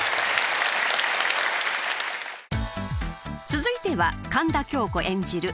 続いては神田京子演じる